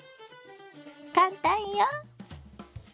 簡単よ！